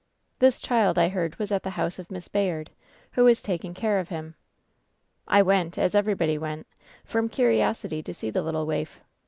"This child I heard was at the house of Miss Bayard, who was taking care of him. "I went — as everybody went — from curiosity to see the little waif.